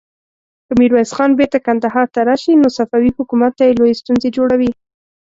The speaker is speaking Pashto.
که ميرويس خان بېرته کندهار ته راشي، نو صفوي حکومت ته لويې ستونزې جوړوي.